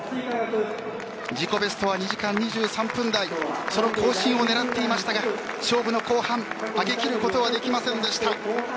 自己ベストは２時間２３分台その更新を狙っていましたが勝負の後半上げきることはできませんでした。